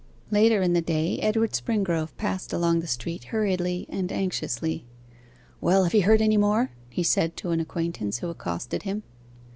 Later in the day Edward Springrove passed along the street hurriedly and anxiously. 'Well, have you heard any more?' he said to an acquaintance who accosted him.